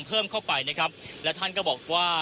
คุณทัศนาควดทองเลยค่ะ